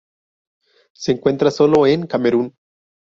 Se encuentra solo en Camerún.